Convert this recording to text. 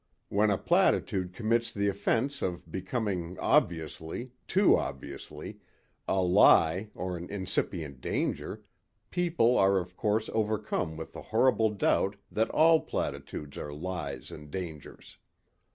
When a platitude commits the offense of becoming obviously, too obviously, a lie or an incipient danger, people are of course overcome with the horrible doubt that all platitudes are lies and dangers.